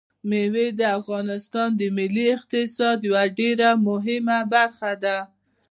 مېوې د افغانستان د ملي اقتصاد یوه ډېره مهمه برخه ده.